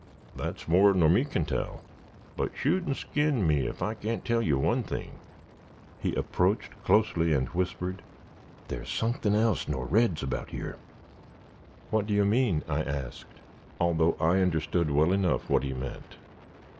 "That's more nor me can tell; but shoot and skin me, if I can't tell you one thing;" he approached closely and whispered, "there's sunkthin else nor reds about yer." "What do you mean?" I asked, although I understood well enough what he meant.